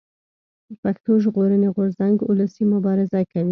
پښتون ژغورني غورځنګ اولسي مبارزه کوي